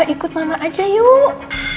ikut mama aja yuk